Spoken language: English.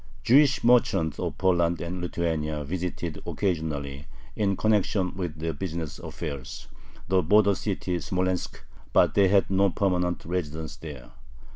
Jewish merchants of Poland and Lithuania visited occasionally, in connection with their business affairs, the border city Smolensk, but they had no permanent residence there.